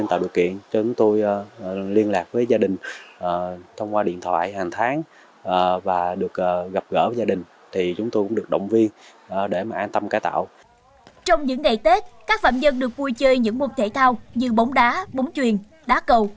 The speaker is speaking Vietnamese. trong những ngày tết các phạm nhân được vui chơi những môn thể thao như bóng đá bóng truyền đá cầu